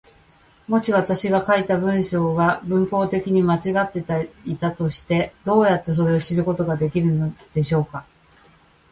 もし私が書いた文章が文法的に間違っていたとして、どうやってそれを知ることができるのでしょうか。